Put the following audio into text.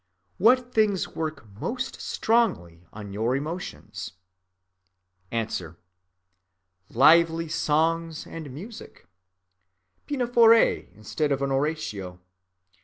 What things work most strongly on your emotions? A. Lively songs and music; Pinafore instead of an Oratorio.